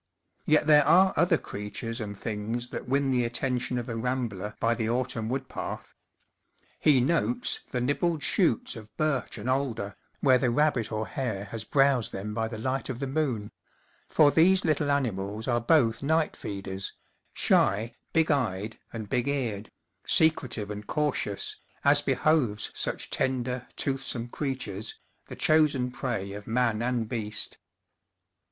Yet there are other creatures and things that win the attention of a rambler by the autumn wood path. He notes the 166 The Autumn Wood Path nibbled shoots of birch and alder, where the rabbit or hare has browsed them by the light of the moon ; for these little animals are both night feeders, shy, big eyed and big eared, secretive and cautious, as be hooves such tender, toothsome creatures, the chosen prey of man and beast.